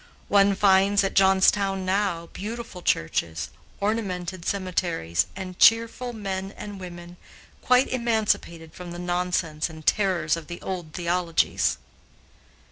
One finds at Johnstown now, beautiful churches, ornamented cemeteries, and cheerful men and women, quite emancipated from the nonsense and terrors of the old theologies.